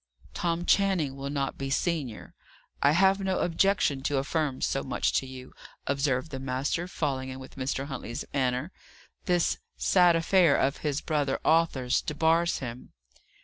"Tom Channing will not be senior; I have no objection to affirm so much to you," observed the master, falling in with Mr. Huntley's manner, "This sad affair of his brother Arthur's debars him."